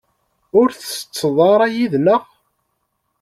Ur tsetteḍ ara yid-nneɣ?